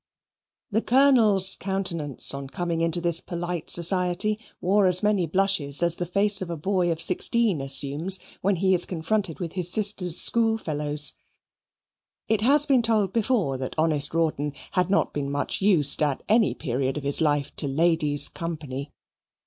The Colonel's countenance on coming into this polite society wore as many blushes as the face of a boy of sixteen assumes when he is confronted with his sister's schoolfellows. It has been told before that honest Rawdon had not been much used at any period of his life to ladies' company.